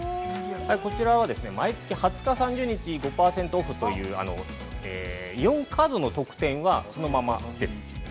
こちらは、毎月２０日、３０日に５％オフという、あのイオンカードの特典はそのままです。